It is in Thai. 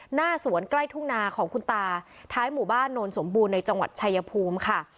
หน้าสวนใกล้ทุ่งนาของคุณตาท้ายหมู่บ้านโนนสมบูรณ์ในจังหวัดชายภูมิค่ะ